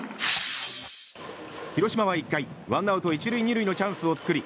広島は１回、ワンアウト１塁２塁のチャンスを作り